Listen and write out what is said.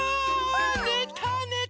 ねたねた！